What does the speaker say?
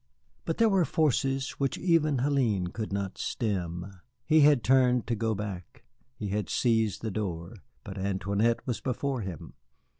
But there were forces which even Hélène could not stem. He had turned to go back, he had seized the door, but Antoinette was before him.